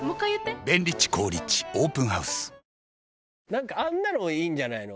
なんかあんなのもいいんじゃないの？